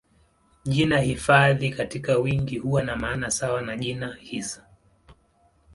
Jina hifadhi katika wingi huwa na maana sawa na jina hisa.